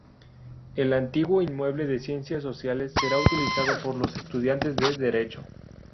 El antiguo inmueble de Ciencias Sociales será utilizado por los estudiantes de Derecho.